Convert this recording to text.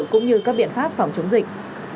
cũng như các biện pháp phòng chống dịch